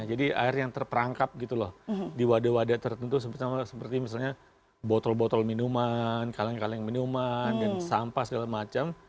jadi air yang terperangkap gitu loh di wadah wadah tertentu seperti misalnya botol botol minuman kaleng kaleng minuman dan sampah segala macam